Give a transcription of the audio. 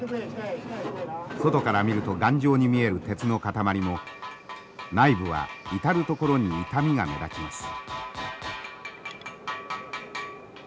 外から見ると頑丈に見える鉄の塊も内部は至る所に傷みが目立ちます。